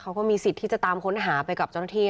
เขาก็มีสิทธิ์ที่จะตามค้นหาไปกับเจ้าหน้าที่